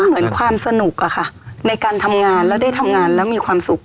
เหมือนความสนุกอะค่ะในการทำงานแล้วได้ทำงานแล้วมีความสุข